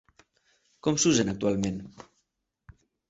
Com s'usen actualment?